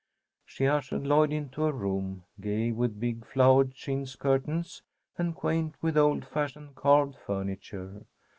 She ushered Lloyd into a room, gay with big flowered chintz curtains, and quaint with old fashioned carved furniture.